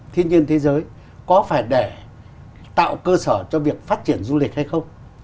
thiên nhiên thế giới có phải để tạo cơ sở cho việc phát triển du lịch hay không